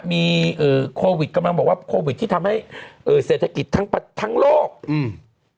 มีเอ่อโควิดกำลังบอกว่าโควิดที่ทำให้เอ่อเศรษฐกิจทั้งทั้งโลกอืม